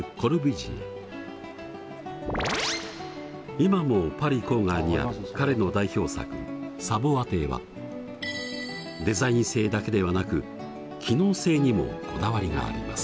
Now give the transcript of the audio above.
今もパリ郊外にある彼の代表作サヴォア邸はデザイン性だけではなく機能性にもこだわりがあります。